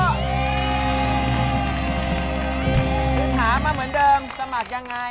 คือถามมาเหมือนเดิมสมัครยังไง